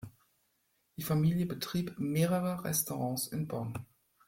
Die Familie betrieb mehrere Restaurants in Bonn.